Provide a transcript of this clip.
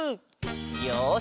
よし！